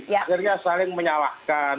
sebenarnya saling menyalahkan